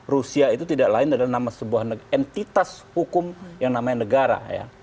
rusia itu tidak lain adalah nama sebuah entitas hukum yang namanya negara ya